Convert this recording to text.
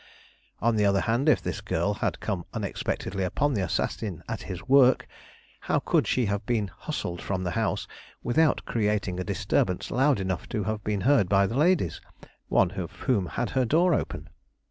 On the other hand, if this girl had come unexpectedly upon the assassin at his work, how could she have been hustled from the house without creating a disturbance loud enough to have been heard by the ladies, one of whom had her door open?